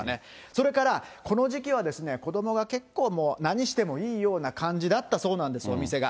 それから、この時期は子どもが結構、もう何してもいいような感じだったそうなんです、お店が。